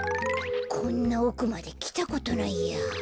こんなおくまできたことないや。